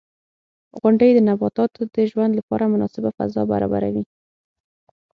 • غونډۍ د نباتاتو د ژوند لپاره مناسبه فضا برابروي.